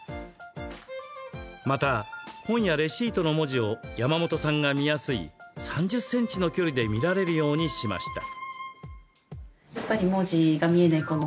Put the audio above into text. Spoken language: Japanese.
また、本やレシートの文字を山本さんが見やすい３０ｃｍの距離で見られるようにしました。